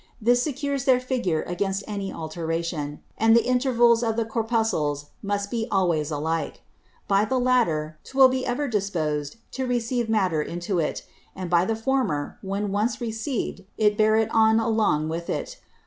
This secures their Figure against any Alteration; and the Intervals of the Corpuscles must be always alike. By the latter, 'twill be ever disposed to receive Matter into it; and by the former, when once received, to bear it on along with it.